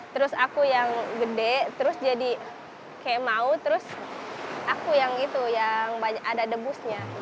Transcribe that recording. terus aku yang gede terus jadi kayak mau terus aku yang itu yang ada debusnya